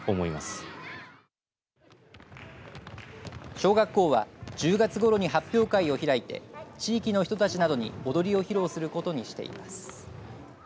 小学校は１０月ごろに発表会を開いて地域の人たちなどに踊りを披露することにしています。